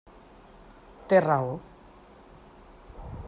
Té raó.